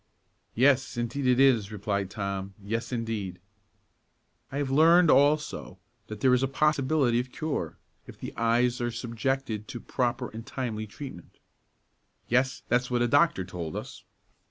"Yes, indeed it is," replied Tom; "yes, indeed!" "I have learned, also, that there is a possibility of cure, if the eyes are subjected to proper and timely treatment." "Yes, that's what a doctor told us."